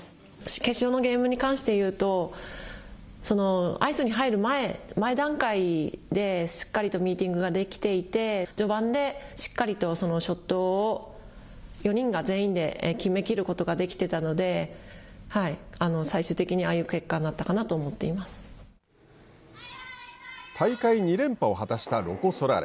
決勝のゲームに関して言うとアイスに入る前前段階でしっかりとミーティングができていて序盤でしっかりとショットを４人が全員で決めきることができてたので最終的にああいう結果になったかなと大会２連覇を果たしたロコ・ソラーレ。